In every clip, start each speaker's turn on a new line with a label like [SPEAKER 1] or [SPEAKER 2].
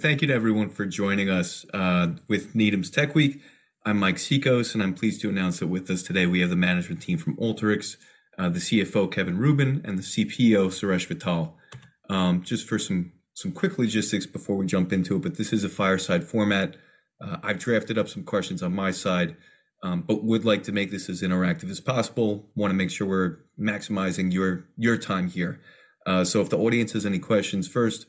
[SPEAKER 1] Thank you to everyone for joining us with Needham's Tech Week. I'm Mike Cikos, and I'm pleased to announce that with us today, we have the management team from Alteryx-the CFO, Kevin Rubin, and the CPO, Suresh Vittal. Just for some quick logistics before we jump into it, but this is a fireside-chat format. I've drafted up some questions on my side, but would like to make this as interactive as possible. Wanna make sure we're maximizing your time here. So if the audience has any questions first,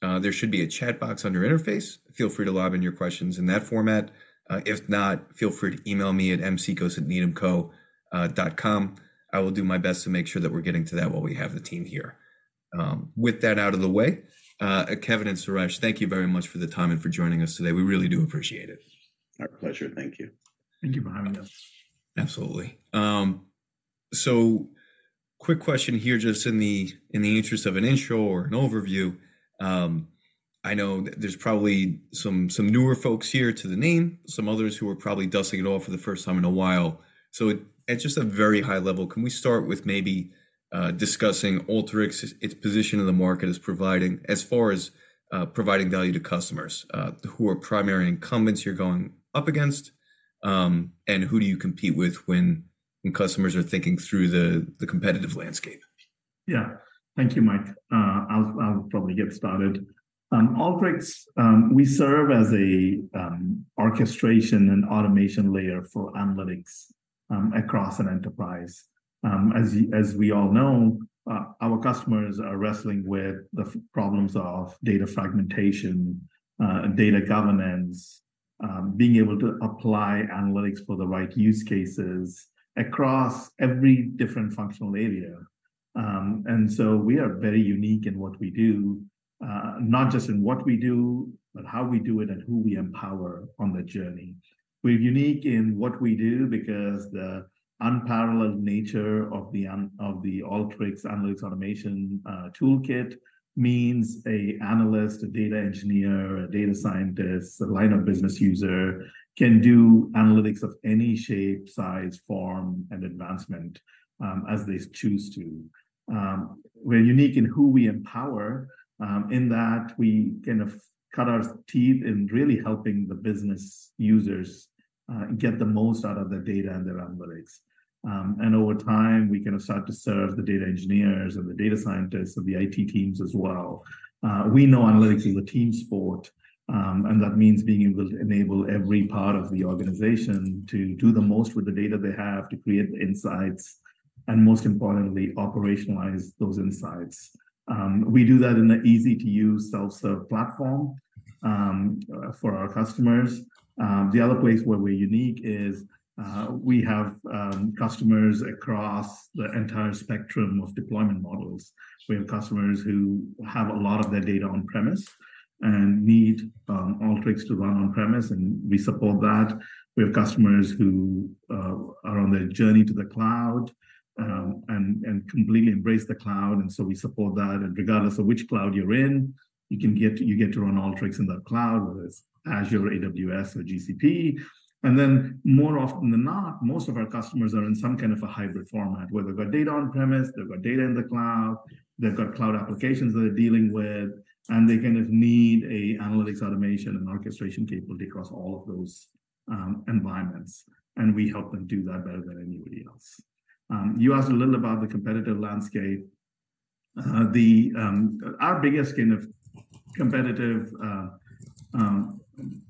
[SPEAKER 1] there should be a chat box on your interface. Feel free to lob in your questions in that format. If not, feel free to email me at mcikos@needhamco.com. I will do my best to make sure that we're getting to that while we have the team here. With that out of the way, Kevin and Suresh, thank you very much for the time and for joining us today. We really do appreciate it.
[SPEAKER 2] Our pleasure. Thank you.
[SPEAKER 3] Thank you for having us. Absolutely.
[SPEAKER 1] So quick question here, just in the interest of an intro or an overview. I know there's probably some newer folks here to the name, some others who are probably dusting it off for the first time in a while. So at just a very high level, can we start with maybe discussing Alteryx, its position in the market as providing value to customers? Who are primary incumbents you're going up against, and who do you compete with when customers are thinking through the competitive landscape?
[SPEAKER 3] Yeah. Thank you, Mike. I'll probably get started. Alteryx, we serve as a orchestration and automation layer for analytics across an enterprise. As we all know, our customers are wrestling with the problems of data fragmentation, data governance, being able to apply analytics for the right use cases across every different functional area. And so we are very unique in what we do, not just in what we do, but how we do it and who we empower on the journey. We're unique in what we do because the unparalleled nature of the Alteryx analytics automation toolkit means an analyst, a data engineer, a data scientist, a line of business user can do analytics of any shape, size, form, and advancement, as they choose to. We're unique in who we empower, in that we kind of cut our teeth in really helping the business users get the most out of their data and their analytics. And over time, we kind of start to serve the data engineers, and the data scientists, and the IT teams as well. We know analytics is a team sport, and that means being able to enable every part of the organization to do the most with the data they have to create the insights, and most importantly, operationalize those insights. We do that in an easy-to-use self-serve platform for our customers. The other place where we're unique is we have customers across the entire spectrum of deployment models. We have customers who have a lot of their data on premises and need Alteryx to run on-premise, and we support that. We have customers who are on their journey to the cloud and completely embrace the cloud, and so we support that. Regardless of which cloud you're in, you get to run Alteryx in that cloud, whether it's Azure, AWS, or GCP. Then, more often than not, most of our customers are in some kind of a hybrid format, where they've got data on-premise, they've got data in the cloud, they've got cloud applications that they're dealing with, and they kind of need a analytics, automation, and orchestration capability across all of those environments, and we help them do that better than anybody else. You asked a little about the competitive landscape. The... Our biggest kind of competitive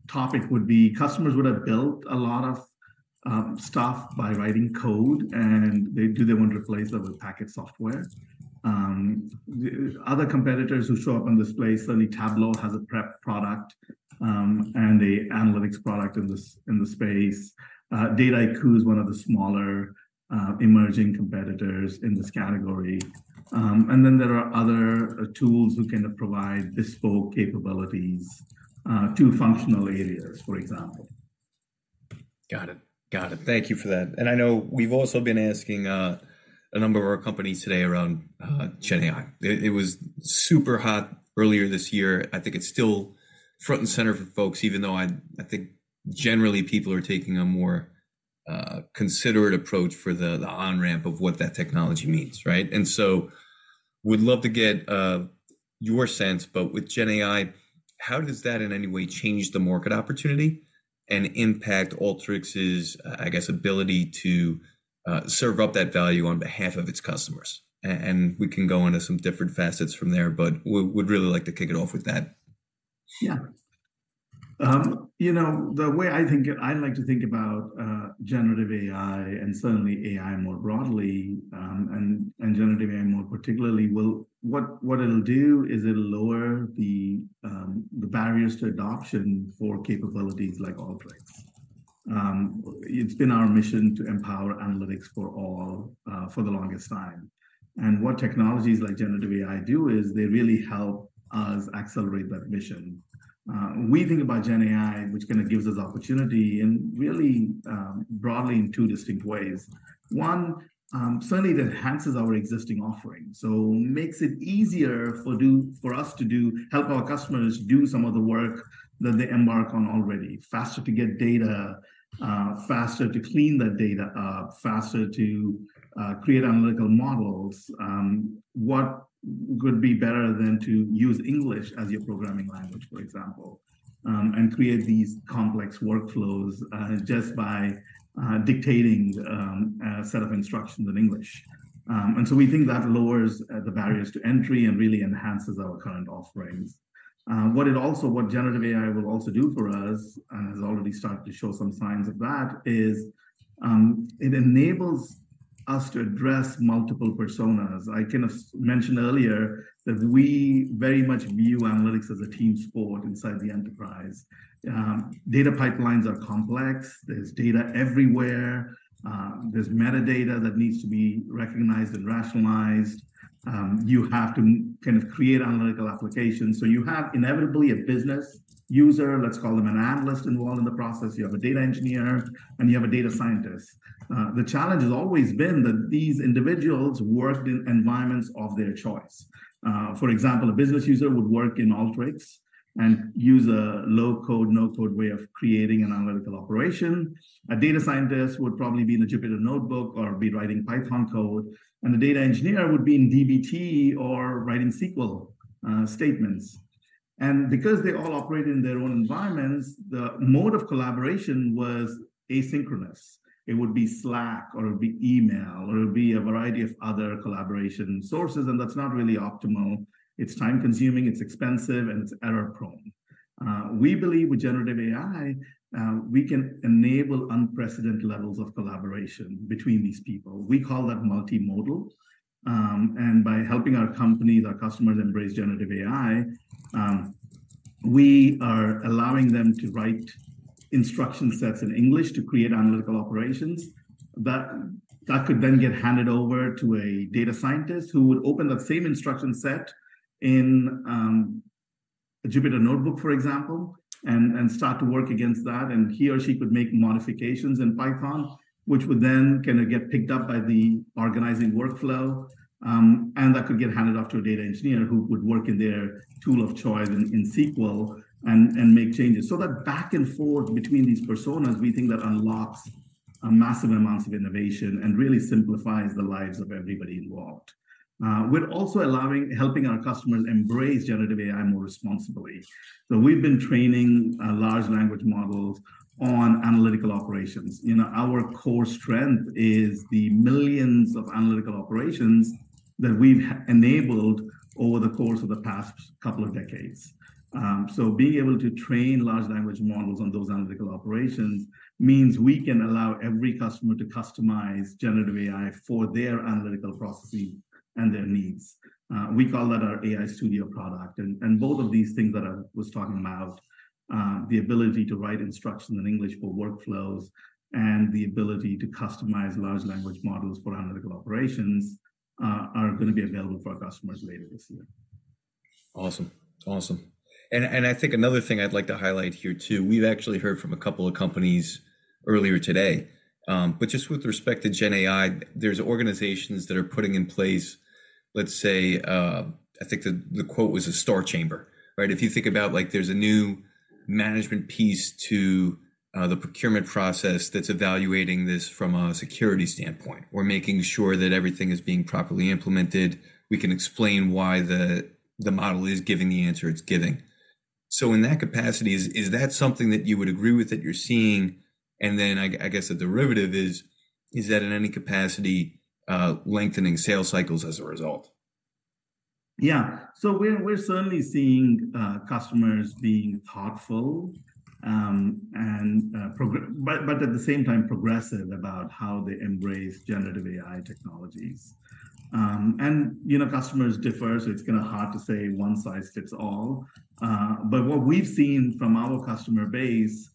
[SPEAKER 3] topic would be customers would have built a lot of stuff by writing code, and they do want to replace that with packaged software. Other competitors who show up in this space, certainly Tableau has a prep product, and an analytics product in the space. Dataiku is one of the smaller emerging competitors in this category. And then there are other tools who kind of provide bespoke capabilities to functional areas, for example.
[SPEAKER 1] Got it. Thank you for that. And I know we've also been asking a number of our companies today around GenAI. It was super hot earlier this year. I think it's still front and center for folks, even though I think generally people are taking a more considerate approach for the on-ramp of what that technology means, right? And so would love to get your sense, but with GenAI, how does that in any way change the market opportunity and impact Alteryx's, I guess, ability to serve up that value on behalf of its customers? And we can go into some different facets from there, but would really like to kick it off with that.
[SPEAKER 3] Yeah. You know, the way I think about, generative AI, and certainly AI more broadly, and generative AI more particularly, well, what it'll do is it'll lower the barriers to adoption for capabilities like Alteryx. It's been our mission to empower analytics for all, for the longest time, and what technologies like generative AI do is they really help us accelerate that mission. We think about GenAI, which kind of gives us opportunity in really, broadly in two distinct ways. One, certainly it enhances our existing offering, so makes it easier for us to help our customers do some of the work that they embark on already. Faster to get data, faster to clean that data, faster to create analytical models. What could be better than to use English as your programming language, for example, and create these complex workflows just by dictating a set of instructions in English? And so we think that lowers the barriers to entry and really enhances our current offerings. What generative AI will also do for us, and has already started to show some signs of that, is it enables us to address multiple personas. I kind of mentioned earlier that we very much view analytics as a team sport inside the enterprise. Data pipelines are complex. There's data everywhere. There's metadata that needs to be recognized and rationalized. You have to kind of create analytical applications. So you have inevitably a business user, let's call them an analyst, involved in the process. You have a data engineer, and you have a data scientist. The challenge has always been that these individuals work in environments of their choice. For example, a business user would work in Alteryx and use a low-code, no-code way of creating an analytical operation. A data scientist would probably be in a Jupyter Notebook or be writing Python code, and the data engineer would be in DBT or writing SQL statements. And because they all operate in their own environments, the mode of collaboration was asynchronous. It would be Slack, or it would be email, or it would be a variety of other collaboration sources, and that's not really optimal. It's time-consuming, it's expensive, and it's error-prone. We believe with generative AI, we can enable unprecedented levels of collaboration between these people. We call that multimodal. And by helping our companies, our customers embrace Generative AI, we are allowing them to write instruction sets in English to create analytical operations. That could then get handed over to a data scientist, who would open that same instruction set in a Jupyter Notebook, for example, and start to work against that. And he or she could make modifications in Python, which would then kinda get picked up by the organizing workflow, and that could get handed off to a data engineer, who would work in their tool of choice in SQL and make changes. So that back and forth between these personas, we think that unlocks a massive amounts of innovation and really simplifies the lives of everybody involved. We're also helping our customers embrace generative AI more responsibly. So we've been training large language models on analytical operations. You know, our core strength is the millions of analytical operations that we've enabled over the course of the past couple of decades. So being able to train large language models on those analytical operations means we can allow every customer to customize generative AI for their analytical property and their needs. We call that our AI Studio product. And both of these things that I was talking about, the ability to write instruction in English for workflows and the ability to customize large language models for analytical operations, are gonna be available for our customers later this year.
[SPEAKER 1] Awesome, awesome. And I think another thing I'd like to highlight here, too, we've actually heard from a couple of companies earlier today, but just with respect to GenAI, there's organizations that are putting in place, let's say, I think the, the quote was a star chamber, right? If you think about, like, there's a new management piece to the procurement process that's evaluating this from a security standpoint. We're making sure that everything is being properly implemented. We can explain why the, the model is giving the answer it's giving. So in that capacity, is that something that you would agree with, that you're seeing? And then I guess the derivative is, is that in any capacity, lengthening sales cycles as a result?
[SPEAKER 3] Yeah. So we're certainly seeing customers being thoughtful and progressive about how they embrace generative AI technologies. You know, customers differ, so it's kinda hard to say one size fits all. But what we've seen from our customer base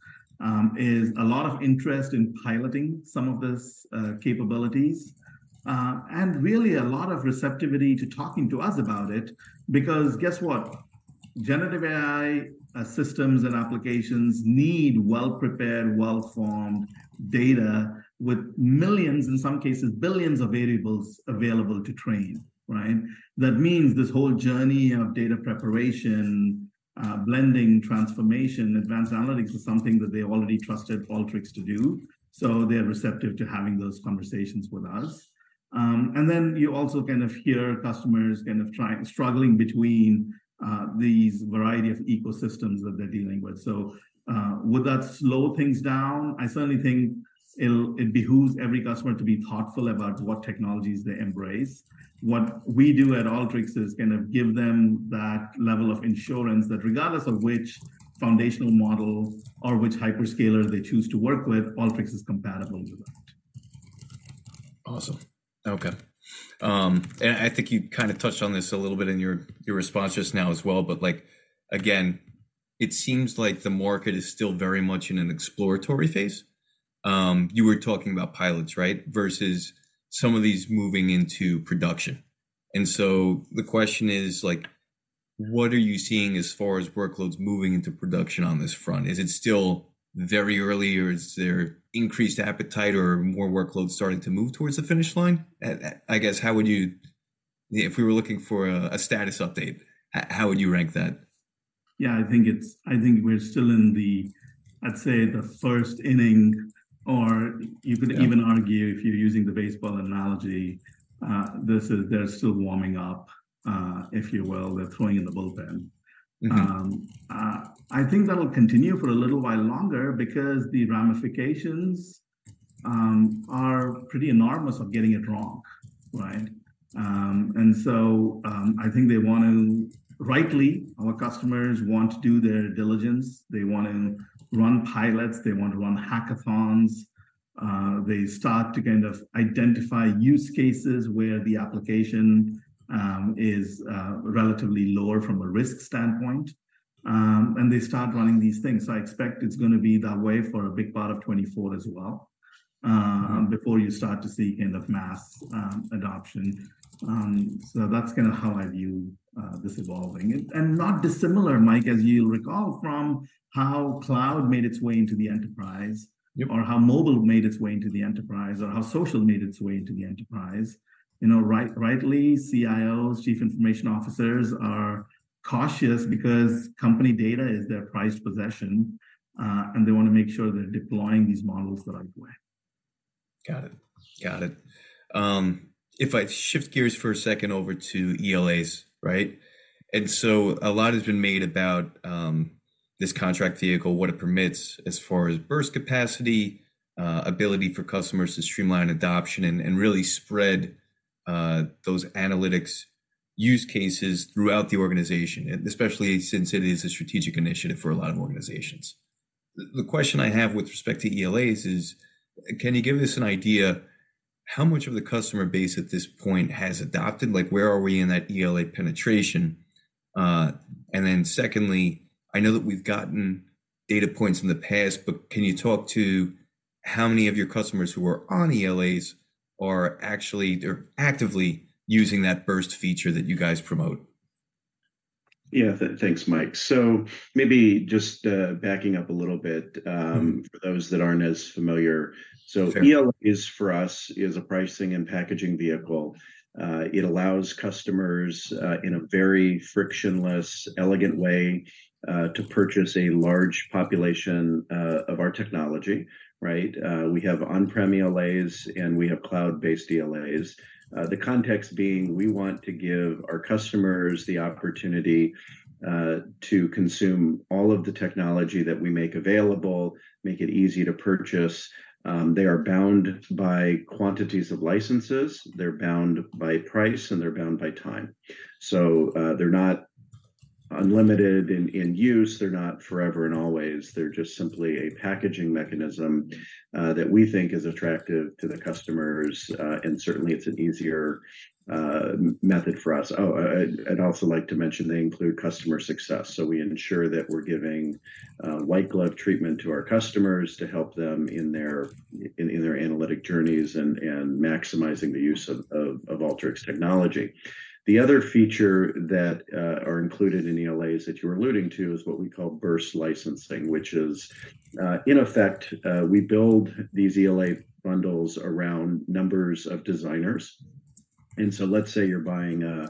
[SPEAKER 3] is a lot of interest in piloting some of this capabilities and really a lot of receptivity to talking to us about it. Because guess what? Generative AI systems and applications need well-prepared, well-formed data with millions, in some cases, billions of variables available to train, right? That means this whole journey of data preparation, blending, transformation, advanced analytics, is something that they already trusted Alteryx to do, so they're receptive to having those conversations with us. And then you also kind of hear customers kind of struggling between these variety of ecosystems that they're dealing with. So, would that slow things down? I certainly think it behooves every customer to be thoughtful about what technologies they embrace. What we do at Alteryx is kind of give them that level of insurance that regardless of which foundational model or which hyperscaler they choose to work with, Alteryx is compatible with that.
[SPEAKER 1] Awesome. Okay. I think you kinda touched on this a little bit in your, your response just now as well, but, like, again, it seems like the market is still very much in an exploratory phase. You were talking about pilots, right? Versus some of these moving into production. And so the question is, like, what are you seeing as far as workloads moving into production on this front? Is it still very early, or is there increased appetite or more workloads starting to move towards the finish line? I guess, if we were looking for a status update, how would you rank that?
[SPEAKER 3] Yeah, I think we're still in the, I'd say, the first inning, or you could even-
[SPEAKER 1] Yeah
[SPEAKER 3] Argue if you're using the baseball analogy, this is, they're still warming up, if you will, they're throwing in the bullpen.
[SPEAKER 1] Mm-hmm.
[SPEAKER 3] I think that'll continue for a little while longer because the ramifications are pretty enormous of getting it wrong, right? And so, I think they want to rightly, our customers want to do their diligence, they want to run pilots, they want to run hackathons, they start to kind of identify use cases where the application is relatively lower from a risk standpoint, and they start running these things. So I expect it's gonna be that way for a big part of 2024 as well before you start to see kind of mass adoption. So that's kind of how I view this evolving. And not dissimilar, Mike, as you'll recall, from how cloud made its way into the enterprise-
[SPEAKER 1] Yep...
[SPEAKER 3] or how mobile made its way into the enterprise, or how social made its way into the enterprise. You know, rightly, CIOs, chief information officers, are cautious because company data is their prized possession, and they wanna make sure they're deploying these models the right way.
[SPEAKER 1] Got it. If I shift gears for a second over to ELAs, right? So a lot has been made about this contract vehicle, what it permits as far as burst capacity, ability for customers to streamline adoption and really spread those analytics use cases throughout the organization, and especially since it is a strategic initiative for a lot of organizations. The question I have with respect to ELAs is, can you give us an idea how much of the customer base at this point has adopted? Like, where are we in that ELA penetration? And then secondly, I know that we've gotten data points in the past, but can you talk to how many of your customers who are on ELAs are actually, they're actively using that burst feature that you guys promote?
[SPEAKER 2] Yeah, thanks, Mike. So maybe just, backing up a little bit,
[SPEAKER 1] Mm-hmm...
[SPEAKER 2] for those that aren't as familiar.
[SPEAKER 1] Fair.
[SPEAKER 2] So ELA is for us, is a pricing and packaging vehicle. It allows customers, in a very frictionless, elegant way, to purchase a large population, of our technology, right? We have on-prem ELAs, and we have cloud-based ELAs. The context being, we want to give our customers the opportunity, to consume all of the technology that we make available, make it easy to purchase. They are bound by quantities of licenses, they're bound by price, and they're bound by time. So, they're not unlimited in, in use, they're not forever and always, they're just simply a packaging mechanism, that we think is attractive to the customers, and certainly, it's an easier, method for us. Oh, I'd also like to mention they include customer success. So we ensure that we're giving white-glove treatment to our customers to help them in their analytic journeys and maximizing the use of Alteryx technology. The other feature that are included in ELAs that you were alluding to is what we call burst licensing, which is in effect we build these ELA bundles around numbers of designers. And so let's say you're buying a,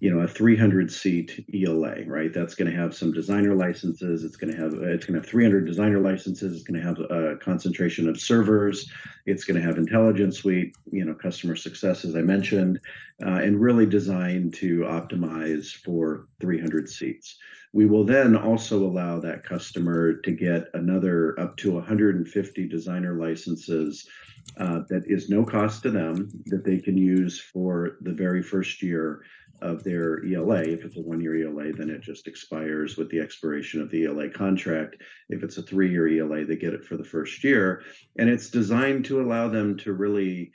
[SPEAKER 2] you know, a 300-seat ELA, right? That's gonna have some Designer licenses, it's gonna have, it's gonna have 300 Designer licenses, it's gonna have a concentration of Servers, it's gonna have Intelligence Suite, you know, Customer Success, as I mentioned, and really designed to optimize for 300 seats. We will then also allow that customer to get another up to 150 Designer licenses, that is no cost to them, that they can use for the very first year of their ELA. If it's a one-year ELA, then it just expires with the expiration of the ELA contract. If it's a three-year ELA, they get it for the first year. It's designed to allow them to really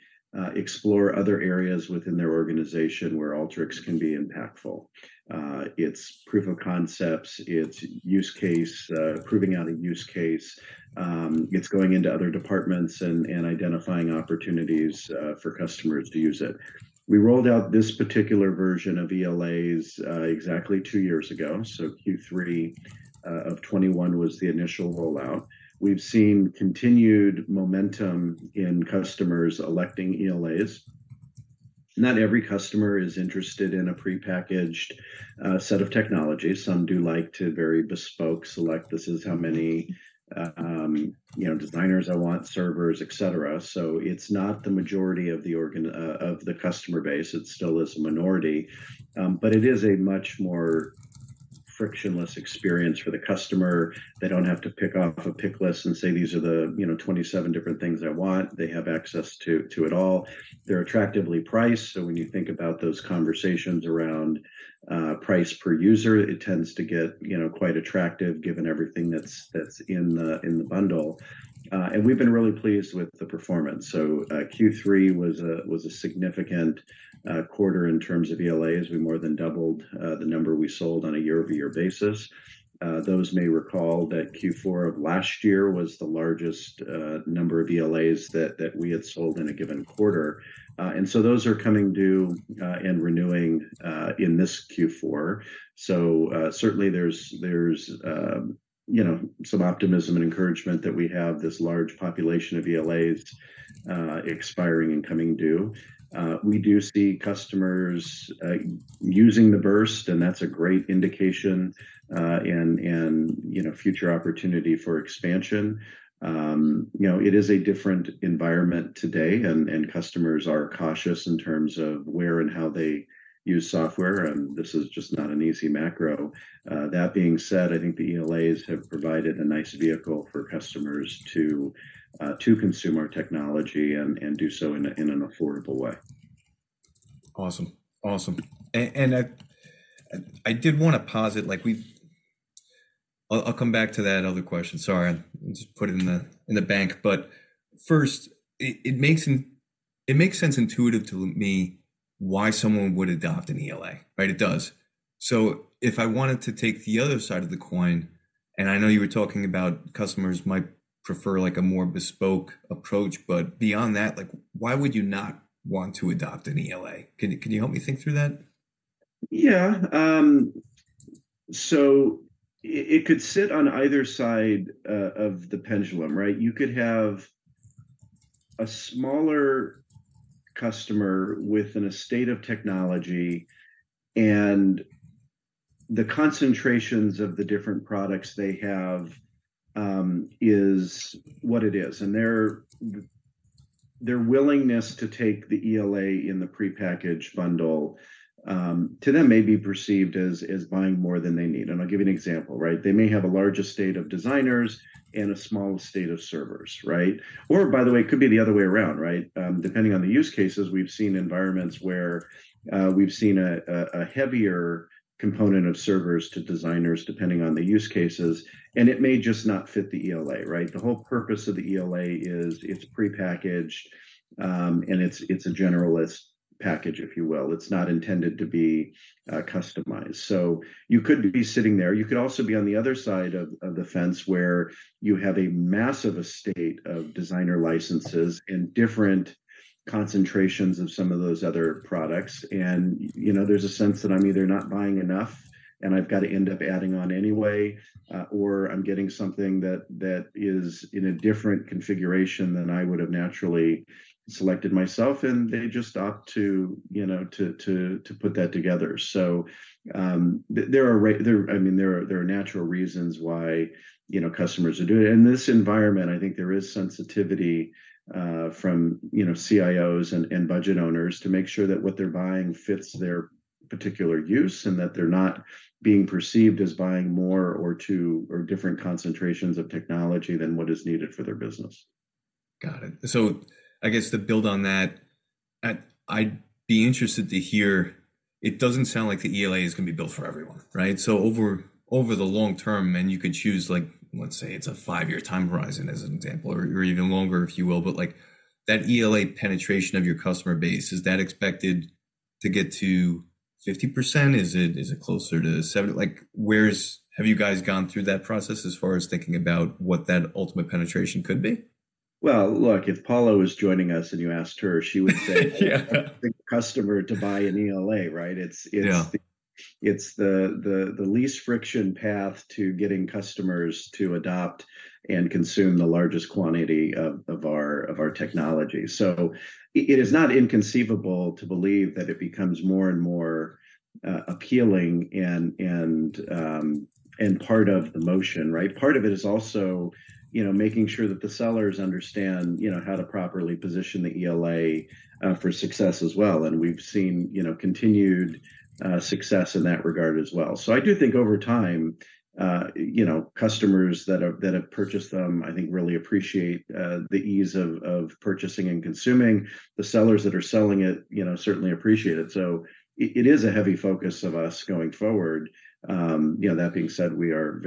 [SPEAKER 2] explore other areas within their organization where Alteryx can be impactful. It's proof of concepts, it's use case, proving out a use case, it's going into other departments and, and identifying opportunities, for customers to use it. We rolled out this particular version of ELAs, exactly two years ago, so Q3 2021 was the initial rollout. We've seen continued momentum in customers electing ELAs. Not every customer is interested in a prepackaged set of technologies. Some do like to very bespoke select, "This is how many, you know, designers I want, servers," et cetera. So it's not the majority of the organization of the customer base, it still is a minority, but it is a much more frictionless experience for the customer. They don't have to pick off a pick list and say, "These are the, you know, 27 different things I want." They have access to it all. They're attractively priced, so when you think about those conversations around price per user, it tends to get, you know, quite attractive, given everything that's in the bundle. And we've been really pleased with the performance. So Q3 was a significant quarter in terms of ELAs. We more than doubled the number we sold on a year-over-year basis. Those may recall that Q4 of last year was the largest number of ELAs that we had sold in a given quarter. And so those are coming due and renewing in this Q4. So certainly there's you know some optimism and encouragement that we have this large population of ELAs expiring and coming due. We do see customers using the burst, and that's a great indication and you know future opportunity for expansion. You know it is a different environment today, and customers are cautious in terms of where and how they use software, and this is just not an easy macro. that being said, I think the ELAs have provided a nice vehicle for customers to, to consume our technology and, and do so in a, in an affordable way.
[SPEAKER 1] Awesome. Awesome. And I did want to pause it, like we've—I'll come back to that other question. Sorry, I'll just put it in the bank. But first, it makes intuitive sense to me why someone would adopt an ELA, right? It does. So if I wanted to take the other side of the coin, and I know you were talking about customers might prefer, like, a more bespoke approach, but beyond that, like, why would you not want to adopt an ELA? Can you help me think through that?
[SPEAKER 2] Yeah. So it could sit on either side of the pendulum, right? You could have a smaller customer with an estate of technology, and the concentrations of the different products they have is what it is. And their willingness to take the ELA in the prepackaged bundle to them may be perceived as buying more than they need. And I'll give you an example, right? They may have a large estate of designers and a small estate of servers, right? Or by the way, it could be the other way around, right? Depending on the use cases, we've seen environments where we've seen a heavier component of servers to designers, depending on the use cases, and it may just not fit the ELA, right? The whole purpose of the ELA is it's prepackaged, and it's a generalist package, if you will. It's not intended to be customized. So you could be sitting there. You could also be on the other side of the fence, where you have a massive estate of Designer licenses and different concentrations of some of those other products. And, you know, there's a sense that I'm either not buying enough, and I've got to end up adding on anyway, or I'm getting something that is in a different configuration than I would have naturally selected myself, and they just opt to, you know, to put that together. So, there I mean, there are natural reasons why, you know, customers are doing it. In this environment, I think there is sensitivity from you know, CIOs and budget owners to make sure that what they're buying fits their particular use, and that they're not being perceived as buying more or two or different concentrations of technology than what is needed for their business.
[SPEAKER 1] Got it. So I guess to build on that, I, I'd be interested to hear... It doesn't sound like the ELA is gonna be built for everyone, right? So over the long term, and you could choose, like, let's say, it's a five-year time horizon as an example or, or even longer, if you will, but, like, that ELA penetration of your customer base, is that expected to get to 50%? Is it, is it closer to 70%? Like, where is, have you guys gone through that process as far as thinking about what that ultimate penetration could be?
[SPEAKER 2] Well, look, if Paula was joining us and you asked her, she would say-
[SPEAKER 1] Yeah...
[SPEAKER 2] the customer to buy an ELA, right? It's-
[SPEAKER 1] Yeah...
[SPEAKER 2] it's the least friction path to getting customers to adopt and consume the largest quantity of our technology. So it is not inconceivable to believe that it becomes more and more appealing and part of the motion, right? Part of it is also, you know, making sure that the sellers understand you know, how to properly position the ELA for success as well, and we've seen, you know, continued success in that regard as well. So I do think over time, you know, customers that have purchased them, I think, really appreciate the ease of purchasing and consuming. The sellers that are selling it you know, certainly appreciate it. So it is a heavy focus of us going forward. You know, that being said, we are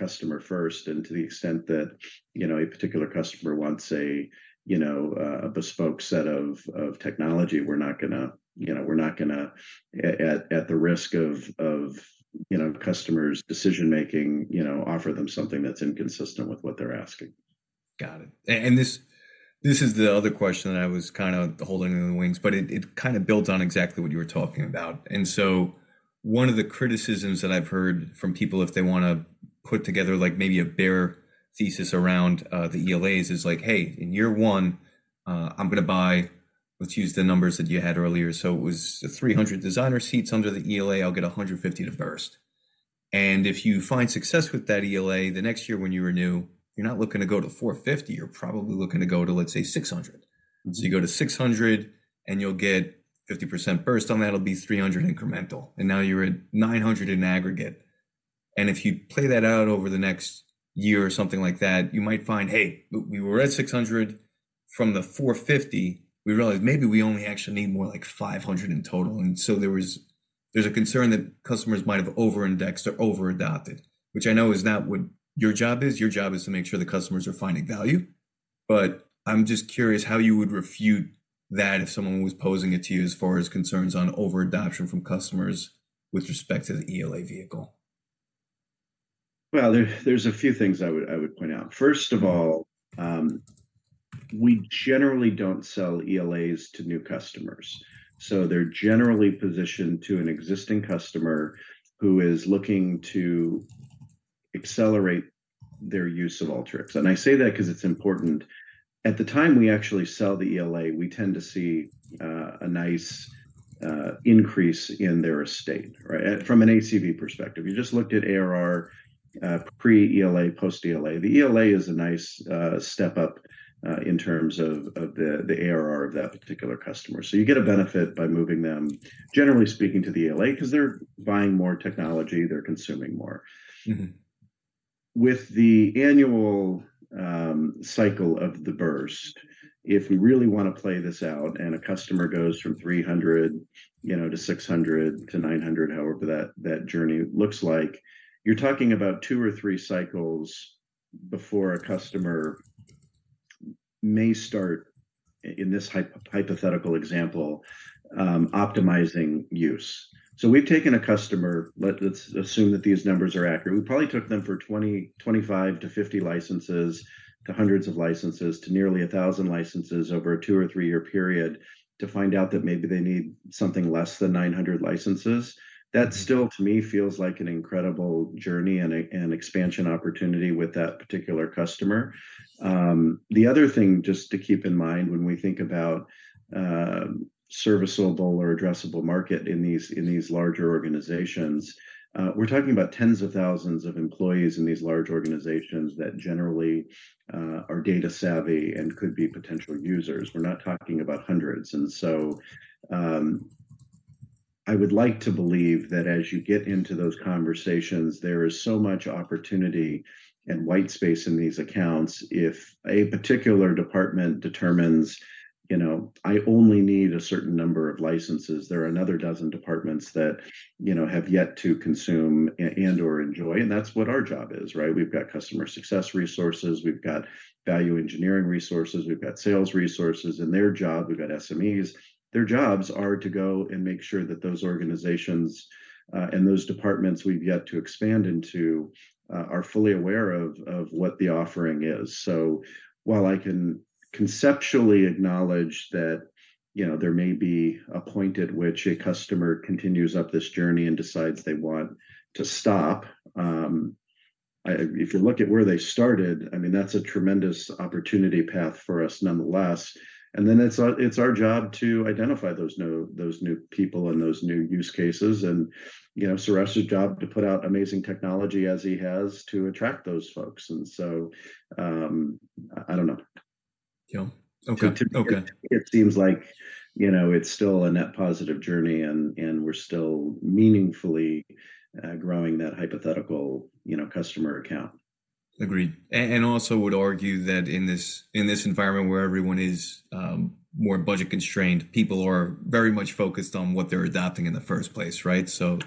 [SPEAKER 2] very customer first, and to the extent that, you know, a particular customer wants you know, a bespoke set of, of, technology, we're not gonna you know, we're not gonna at the risk of, of, you know, customers' decision-making you know, offer them something that's inconsistent with what they're asking.
[SPEAKER 1] Got it. And this is the other question that I was kinda holding in the wings, but it kinda builds on exactly what you were talking about. So one of the criticisms that I've heard from people, if they wanna put together, like, maybe a bear thesis around the ELAs, is like, "Hey, in year one, I'm gonna buy..." Let's use the numbers that you had earlier. So it was 300 Designer seats under the ELA, I'll get 150 to burst. And if you find success with that ELA, the next year when you renew, you're not looking to go to 450, you're probably looking to go to, let's say, 600.
[SPEAKER 2] Mm.
[SPEAKER 1] So you go to 600, and you'll get 50% burst on that, it'll be 300 incremental, and now you're at 900 in aggregate. And if you play that out over the next year or something like that, you might find, "Hey, we were at 600. From the 450, we realized maybe we only actually need more like 500 in total." And so there is a concern that customers might have over-indexed or over-adopted, which I know is not what your job is. Your job is to make sure the customers are finding value. But I'm just curious how you would refute that if someone was posing it to you as far as concerns on over-adoption from customers with respect to the ELA vehicle.
[SPEAKER 2] Well, there, there's a few things I would, I would point out. First of all, we generally don't sell ELAs to new customers, so they're generally positioned to an existing customer who is looking to accelerate their use of Alteryx. And I say that because it's important. At the time we actually sell the ELA, we tend to see a nice increase in their estate, right? And from an ACV perspective, you just looked at ARR, pre-ELA, post-ELA. The ELA is a nice step up in terms of the ARR of that particular customer. So you get a benefit by moving them, generally speaking, to the ELA, because they're buying more technology, they're consuming more.
[SPEAKER 1] Mm-hmm.
[SPEAKER 2] With the annual cycle of the burst, if we really wanna play this out, and a customer goes from 300 you know, to 600 to 900, however that journey looks like, you're talking about two or three cycles before a customer may start in this hypothetical example optimizing use. So we've taken a customer... Let's assume that these numbers are accurate. We probably took them from 20 to 25 or 50 licenses- hundreds of licenses to nearly 1,000 licenses over a two- or three-year period, to find out that maybe they need something less than 900 licenses. That stillt o me, feels like an incredible journey and a expansion opportunity with that particular customer. The other thing, just to keep in mind when we think about, serviceable or addressable market in these, in these larger organizations, we're talking about tens of thousands of employees in these large organizations that generally, are data savvy and could be potential users. We're not talking about hundreds. And so, I would like to believe that as you get into those conversations, there is so much opportunity and white space in these accounts. If a particular department determines you know, "I only need a certain number of licenses," there are another dozen departments that you know, have yet to consume and/or enjoy, and that's what our job is, right? We've got customer success resources, we've got value engineering resources, we've got sales resources, and their job. We've got SMEs. Their jobs are to go and make sure that those organizations and those departments we've yet to expand into are fully aware of what the offering is. So while I can conceptually acknowledge that, you know, there may be a point at which a customer continues up this journey and decides they want to stop. If you look at where they started, I mean, that's a tremendous opportunity path for us nonetheless. And then it's our job to identify those new people and those new use cases, and, you know, Suresh's job to put out amazing technology as he has to attract those folks, and so, I don't know.
[SPEAKER 1] Yeah. Okay. Okay.
[SPEAKER 2] It seems like, you know, it's still a net positive journey, and we're still meaningfully growing that hypothetical, you know, customer account.
[SPEAKER 1] Agreed. And also would argue that in this environment where everyone is more budget constrained, people are very much focused on what they're adopting in the first place, right? So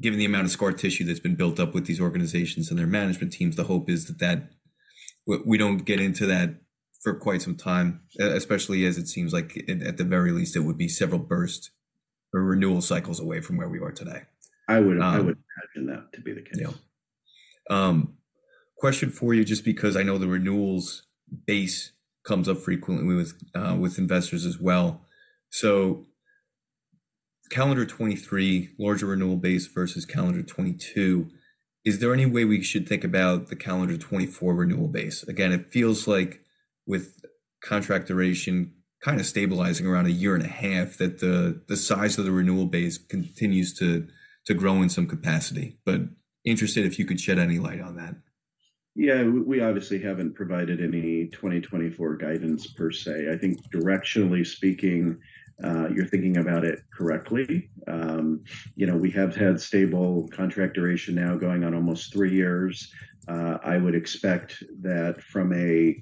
[SPEAKER 1] given the amount of scar tissue that's been built up with these organizations and their management teams, the hope is that we don't get into that for quite some time, especially as it seems like, at the very least, it would be several burst or renewal cycles away from where we are today.
[SPEAKER 2] I would-
[SPEAKER 1] Uh-
[SPEAKER 2] I would imagine that to be the case.
[SPEAKER 1] Yeah. Question for you, just because I know the renewals base comes up frequently with, with investors as well. So calendar 2023, larger renewal base versus calendar 2022, is there any way we should think about the calendar 2024 renewal base? Again, it feels like with contract duration kind of stabilizing around a year and a half, that the, the size of the renewal base continues to, to grow in some capacity. But interested if you could shed any light on that.
[SPEAKER 2] Yeah, we obviously haven't provided any 2024 guidance per se. I think directionally speaking, you're thinking about it correctly. You know, we have had stable contract duration now going on almost three years. I would expect that from a,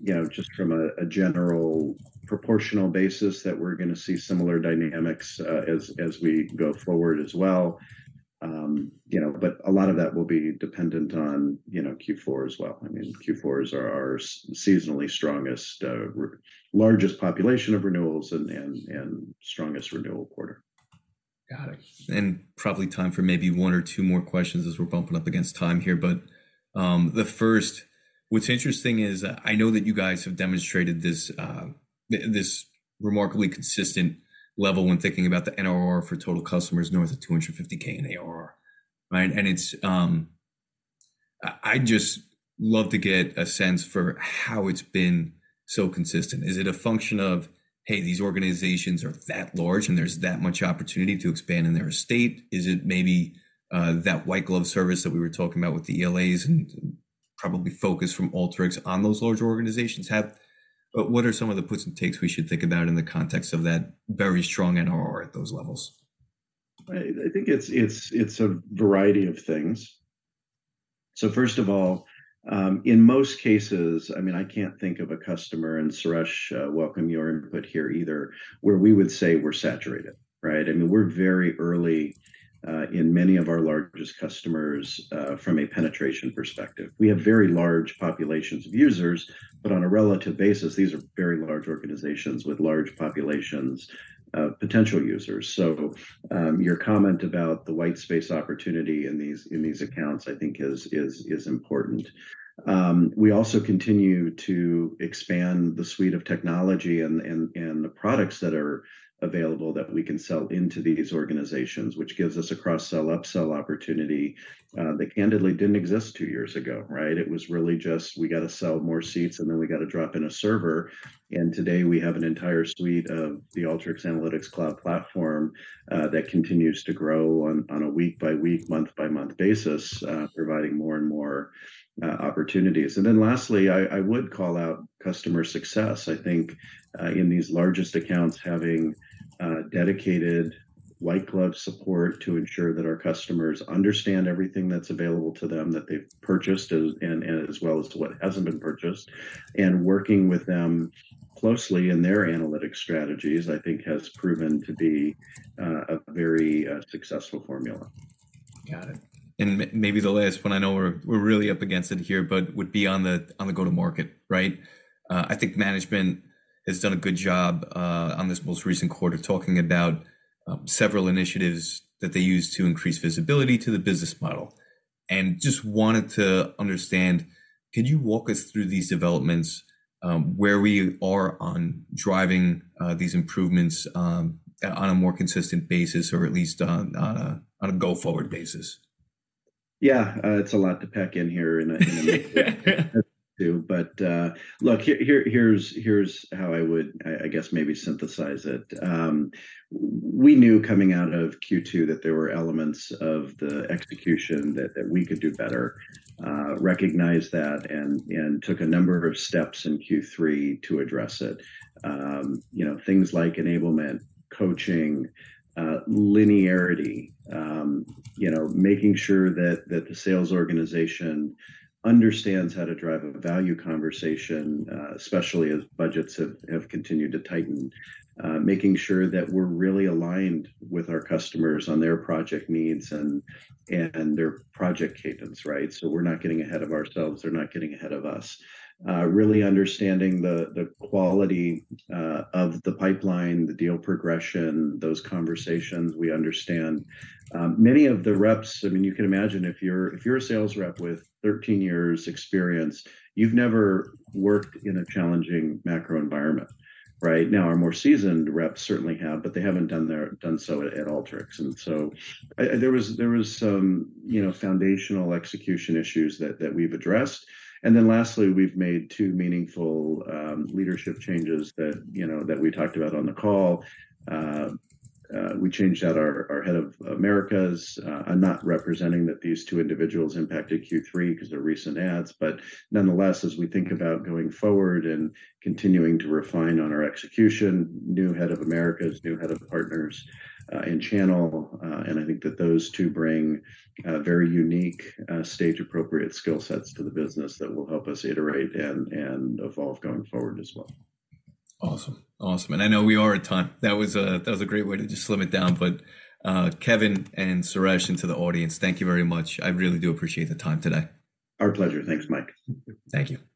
[SPEAKER 2] you know, just from a general proportional basis, that we're gonna see similar dynamics, as we go forward as well. You know, but a lot of that will be dependent on, you know, Q4 as well. I mean, Q4 is our seasonally strongest, largest population of renewals and strongest renewal quarter.
[SPEAKER 1] Got it. And probably time for maybe one or two more questions as we're bumping up against time here. But, the first, what's interesting is, I know that you guys have demonstrated this, this remarkably consistent level when thinking about the NRR for total customers north of $250K in ARR, right? And it's, I'd just love to get a sense for how it's been so consistent. Is it a function of, hey, these organizations are that large, and there's that much opportunity to expand in their estate? Is it maybe, that white glove service that we were talking about with the ELAs and probably focus from Alteryx on those large organizations have? But what are some of the puts and takes we should think about in the context of that very strong NRR at those levels?
[SPEAKER 2] I think it's a variety of things. So first of all, in most cases, I mean, I can't think of a customer, and Suresh, welcome your input here either, where we would say we're saturated, right? I mean, we're very early in many of our largest customers from a penetration perspective. We have very large populations of users, but on a relative basis, these are very large organizations with large populations of potential users. So, your comment about the white space opportunity in these accounts, I think is important. We also continue to expand the suite of technology and the products that are available that we can sell into these organizations, which gives us a cross-sell, upsell opportunity that candidly didn't exist two years ago, right? It was really just: We gotta sell more seats, and then we gotta drop in a server. And today, we have an entire suite of the Alteryx Analytics Cloud platform that continues to grow on a week-by-week, month-by-month basis, providing more and more opportunities. And then lastly, I would call out customer success. I think in these largest accounts, having dedicated white glove support to ensure that our customers understand everything that's available to them, that they've purchased, as well as to what hasn't been purchased. And working with them closely in their analytics strategies, I think has proven to be a very successful formula.
[SPEAKER 1] Got it. And maybe the last one I know we're really up against it here, but would be on the go-to-market, right? I think management has done a good job on this most recent quarter, talking about several initiatives that they use to increase visibility to the business model. And just wanted to understand, could you walk us through these developments, where we are on driving these improvements on a more consistent basis, or at least on a go-forward basis?
[SPEAKER 2] Yeah. It's a lot to pack in here, but look, here's how I would, I guess, maybe synthesize it. We knew coming out of Q2 that there were elements of the execution that we could do better, recognized that, and took a number of steps in Q3 to address it. You know, things like enablement, coaching, linearity, you know, making sure that the sales organization understands how to drive a value conversation, especially as budgets have continued to tighten. Making sure that we're really aligned with our customers on their project needs and their project cadence, right? So we're not getting ahead of ourselves. They're not getting ahead of us. Really understanding the quality of the pipeline, the deal progression, those conversations we understand. Many of the reps... I mean, you can imagine if you're a sales rep with 13 years experience, you've never worked in a challenging macro environment, right? Now, our more seasoned reps certainly have, but they haven't done so at Alteryx. And so, there was some, you know, foundational execution issues that we've addressed. And then lastly, we've made two meaningful leadership changes that, you know, that we talked about on the call. We changed out our head of Americas. I'm not representing that these two individuals impacted Q3 because they're recent adds, but nonetheless, as we think about going forward and continuing to refine on our execution, new head of Americas, new head of partners and channel, and I think that those two bring a very unique stage-appropriate skill sets to the business that will help us iterate and evolve going forward as well.
[SPEAKER 1] Awesome. Awesome. I know we are at time. That was a, that was a great way to just slim it down, but Kevin and Suresh, and to the audience, thank you very much. I really do appreciate the time today.
[SPEAKER 2] Our pleasure. Thanks, Mike.
[SPEAKER 1] Thank you. Bye-bye.